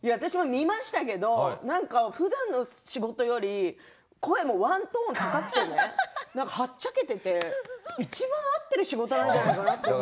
見ましたけどふだんの仕事より声もワントーン高くてはっちゃけていていちばん合っている仕事なんじゃないかなと思って。